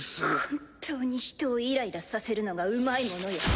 本当に人をイライラさせるのがうまいものよ。